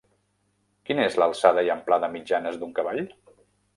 Quina és l'alçada i amplada mitjanes d'un cavall?